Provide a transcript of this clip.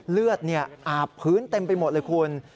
เลือดอาบพื้นเต็มไปหมดเลยคุณ